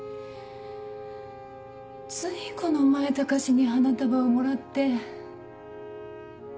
ついこの前高志に花束をもらって。